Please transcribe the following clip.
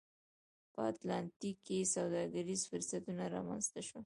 په اتلانتیک کې سوداګریز فرصتونه رامنځته شول.